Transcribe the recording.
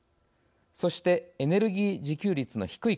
そしてエネルギー自給率の低い国